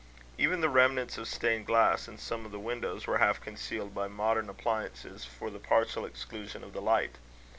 Even the remnants of stained glass in some of the windows, were half concealed by modern appliances for the partial exclusion of the light.